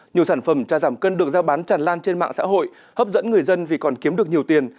nhiều sản phẩm trà giảm cân được giao bán tràn lan trên mạng xã hội hấp dẫn người dân vì còn kiếm được nhiều tiền